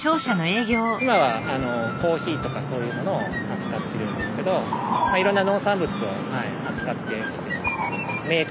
今はコーヒーとかそういうものを扱ってるんですけどいろんな農産物を扱ってきてます。